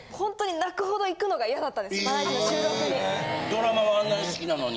ドラマはあんなに好きなのに。